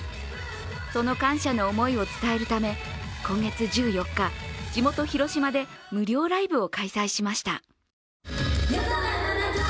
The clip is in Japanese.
その感謝の思いを伝えるため、今月１４日地元広島で無料ライブを開催しました。